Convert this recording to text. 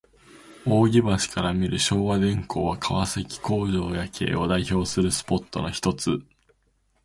扇橋から見る昭和電工は、川崎工場夜景を代表するスポットのひとつ。